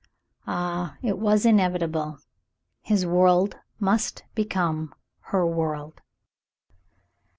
Ah, it was inevitable. His world must become her world.